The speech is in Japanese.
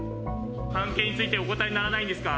関係についてお答えにならないんですか？